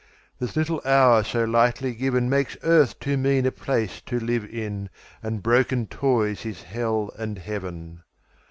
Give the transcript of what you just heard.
This little hour so lightly givenMakes earth too mean a place to live in, And broken toys His Hell and Heaven.